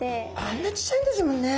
あんなちっちゃいんですもんね。